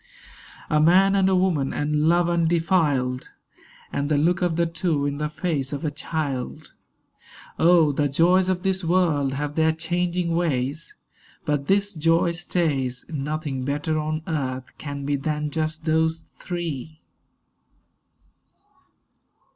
A man and a woman and love undefiled And the look of the two in the face of a child,— Oh, the joys of this world have their changing ways, But this joy stays. Nothing better on earth can be Than just those three.